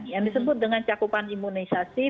yang disebut dengan cakupan imunisasi